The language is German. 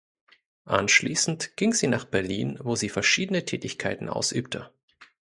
Anschließend ging sie nach Berlin, wo sie verschiedene Tätigkeiten ausübte.